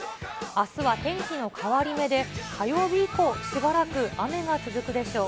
あすは天気の変わり目で、火曜日以降、しばらく雨が続くでしょう。